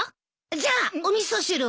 じゃあお味噌汁は？